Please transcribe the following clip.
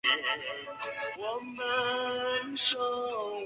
它在有机化学中用作还原剂。